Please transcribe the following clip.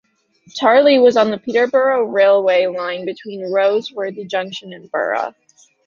Tarlee was on the Peterborough railway line between Roseworthy junction and Burra.